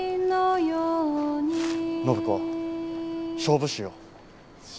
暢子勝負しよう。